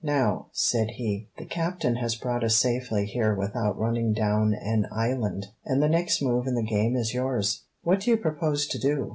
"Now," said he, "the captain has brought us safely here without running down an island, and the next move in the game is yours. What do you propose to do?"